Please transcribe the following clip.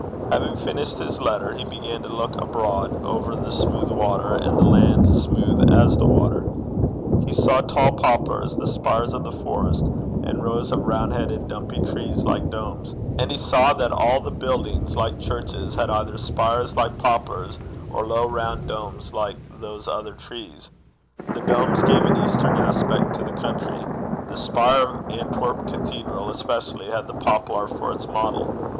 Having finished his letter, he began to look abroad over the smooth water, and the land smooth as the water. He saw tall poplars, the spires of the forest, and rows of round headed dumpy trees, like domes. And he saw that all the buildings like churches, had either spires like poplars, or low round domes like those other trees. The domes gave an eastern aspect to the country. The spire of Antwerp cathedral especially had the poplar for its model.